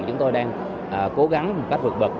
chúng tôi đang cố gắng một cách vượt bật